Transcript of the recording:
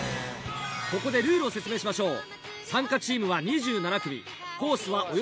ここでルールを説明しましょう。